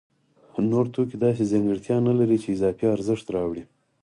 نور توکي داسې ځانګړتیا نلري چې اضافي ارزښت راوړي